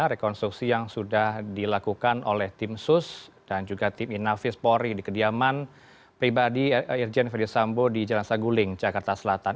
rekonstruksi yang sudah dilakukan oleh tim sus dan juga tim inafis polri di kediaman pribadi irjen ferdisambo di jalan saguling jakarta selatan